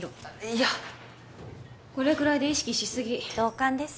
いやこれくらいで意識しすぎ同感です